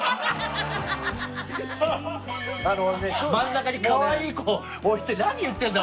真ん中にカワイイ子置いて何言ってんだ？